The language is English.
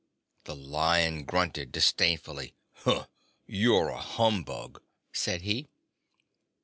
The Lion grunted disdainfully. "You're a humbug," said he.